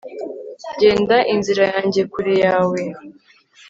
genda inzira yanjye, kure yawe